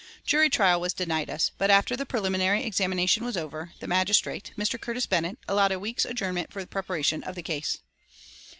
Jury trial was denied us; but after the preliminary examination was over the magistrate, Mr. Curtis Bennett, allowed a week's adjournment for preparation of the case.